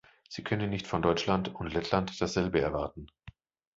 Sie können nicht von Deutschland und Lettland dasselbe erwarten.